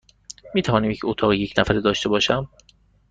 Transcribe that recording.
می توانم یک اتاق یک نفره داشته باشم؟